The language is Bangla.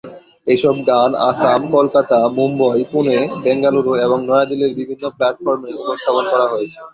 এসব গান আসাম, কলকাতা, মুম্বই, পুনে, বেঙ্গালুরু এবং নয়াদিল্লির বিভিন্ন প্ল্যাটফর্মে উপস্থাপন করা হয়েছে।